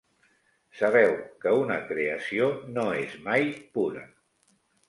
Sabeu que una creació no és mai pura.